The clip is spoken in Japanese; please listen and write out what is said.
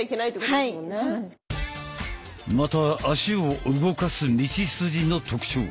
また足を動かす道筋の特徴。